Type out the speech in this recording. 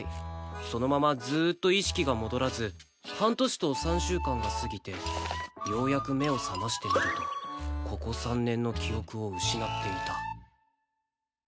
そのままずーっと意識が戻らず半年と３週間が過ぎてようやく目を覚ましてみるとここ３年の記憶を失っていた